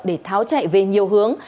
để tháo chạy về nhiều hướng